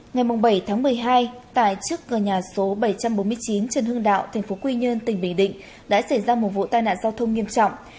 ngày bảy tháng một mươi hai tại trước cửa nhà số bảy trăm bốn mươi chín trần hưng đạo tp quy nhơn tỉnh bình định đã xảy ra một vụ tai nạn giao thông nghiêm trọng